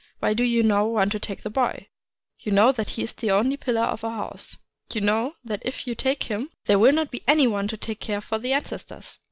Why do you now want to take the boy? You know that he is the only pillar of our house. You know that if you take him there will not be any one to care for the ancestors.